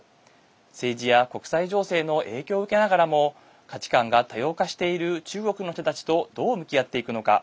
政治や国際情勢の影響を受けながらも価値観が多様化している中国の人たちとどう向き合っていくのか。